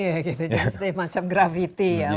menurut saya seperti gravitas ya